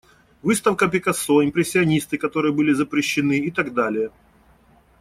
Выставка Пикассо, импрессионисты которые были запрещены, и так далее.